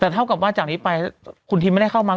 แต่เท่ากับว่าจากนี้ไปคุณทีมไม่ได้เข้ามา